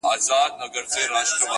زموږ په لمبه به پردۍ شپې روڼېږي؛